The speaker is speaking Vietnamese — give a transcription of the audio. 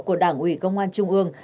của đảng ủy công an trung ương